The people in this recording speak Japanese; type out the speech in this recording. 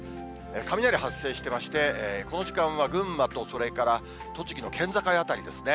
雷発生してまして、この時間は群馬と、それから栃木の県境辺りですね。